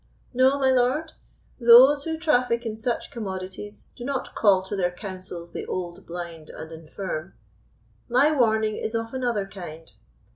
"No, my lord; those who traffic in such commodities do not call to their councils the old, blind, and infirm. My warning is of another kind.